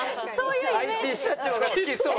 ＩＴ社長が好きそう？